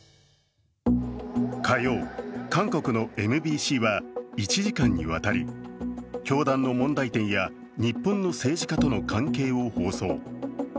火曜、韓国のＭＢＣは１時間にわたり教団の問題点や日本の政治家との関係を放送。